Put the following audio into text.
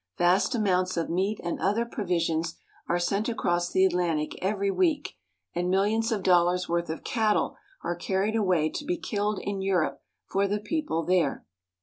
Vast amounts of meat and other provisions are sent across the Atlantic every week, and millions of dollars' worth of cattle are carried away to be killed in Europe for the people there.